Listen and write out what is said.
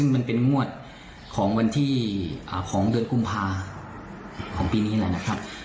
บริมอตของวันที่อ่าของเดือนกลุ่มภาคมของปีนี้แหละนะครับ